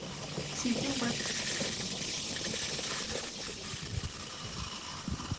Sitio Web del Instituto de Estudios Internacionales de la Universidad de Chile